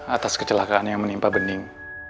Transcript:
atas kecelakaan yang menimpa bening